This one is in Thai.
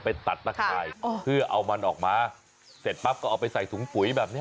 ไปตัดตะข่ายเพื่อเอามันออกมาเสร็จปั๊บก็เอาไปใส่ถุงปุ๋ยแบบนี้